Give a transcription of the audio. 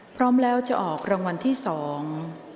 พร้อมแล้วจะออกรางวัลที่สอง